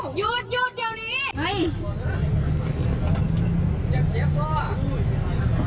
พอได้แล้วหยุดเดี๋ยวนี้